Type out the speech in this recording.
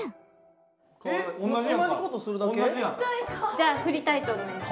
じゃ振りたいと思います。